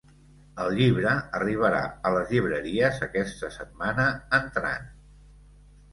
El llibre arribarà a les llibreries aquesta setmana entrant.